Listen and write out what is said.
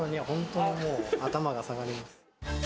本当にもう、頭が下がります。